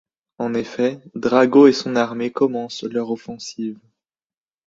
En effet, Drago et son armée commencent leur offensive.